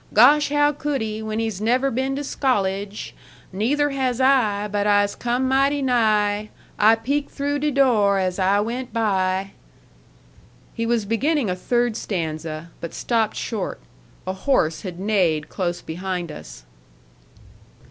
Gosh! how could he, when he's never been to scollege? Neither has I. But I'se come mighty nigh; I peaked through de door as I went by.'" He was beginning a third stanza, but stopped short; a horse had neighed close behind us.